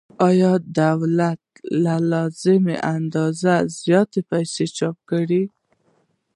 که دولت له لازمې اندازې زیاتې پیسې چاپ کړي